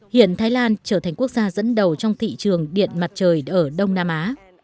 hiện thái lan trở thành quốc gia dẫn đầu trong thị trường điện mặt trời ở đông nam á